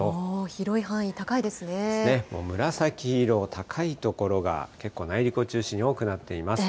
広い範囲、ですね、紫色、高い所が結構、内陸を中心に多くなっています。